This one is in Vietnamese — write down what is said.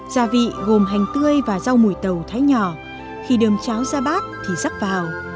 gia vị gồm hành tươi và rau mùi tàu thái nhỏ khi đơm cháo ra bát thì rắc vào